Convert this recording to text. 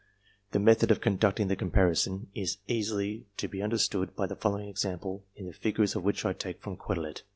The method of con ducting the comparison is easily to be understood by the following example, the figures of which I take from Quetelet.